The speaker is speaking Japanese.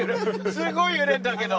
すごい揺れるんだけど。